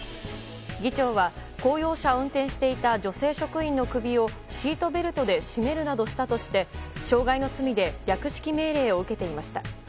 議長は、公用車を運転していた女性職員の首をシートベルトで絞めるなどしたとして傷害の罪で略式命令を受けていました。